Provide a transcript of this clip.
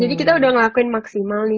jadi kita udah ngelakuin maksimal nih